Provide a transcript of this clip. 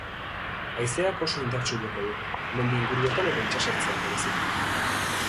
Haizeak oso indartsu joko du, mendi inguruetan eta itsasertzean bereziki.